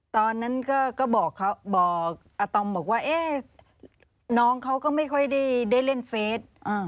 ตอนนั้นก็ก็บอกเขาบอกอาตอมบอกว่าเอ๊ะน้องเขาก็ไม่ค่อยได้ได้เล่นเฟซอ่า